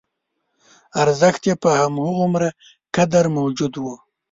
ارزښت یې په همغومره قدر موجود و.